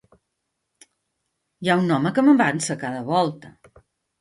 Hi ha un home que m'avança a cada volta.